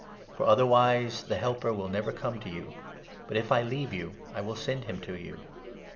For otherwise the Helper will never come to you, but, if I leave you, I will send him to you.